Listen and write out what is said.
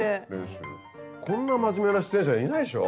こんな真面目な出演者いないっしょ。